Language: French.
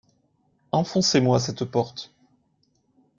Enfoncez-moi cette porte.